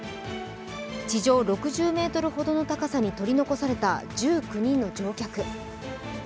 地上６０ｍほどの高さに取り残された１９人の乗客。